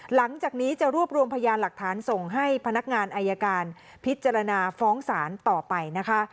หลังจากนี้จะรวบรวมพยานหลักฐานส่งให้พนักงานอายการพิจารณาฟ้องศาลต่อไปนะคะ